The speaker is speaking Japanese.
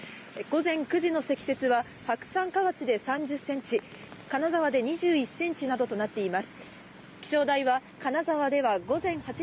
午前９時の積雪は白山河内で３０センチ、金沢で２１センチなどとなっています。